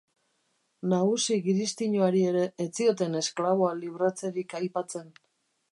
Nagusi giristinoari ere ez zioten esklaboa libratzerik aipatzen.